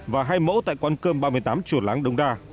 và hai mẫu tại quán cơm ba mươi tám chùa láng đông đa